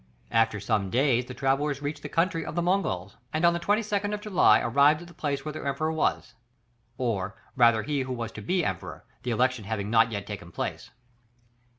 After some days the travellers reached the country of the Mongols, and on the 22nd of July arrived at the place where the Emperor was, or rather he who was to be Emperor, the election having not yet taken place.